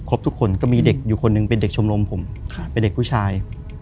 ทุกคนก็มีเด็กอยู่คนหนึ่งเป็นเด็กชมรมผมเป็นเด็กผู้ชาย